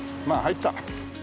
まあ入った。